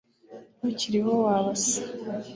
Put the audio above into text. bakiriho wa ba se.